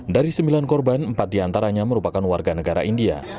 dari sembilan korban empat diantaranya merupakan warga negara india